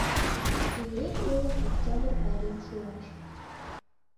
Илен-толын Октябрь пайрем шуэш.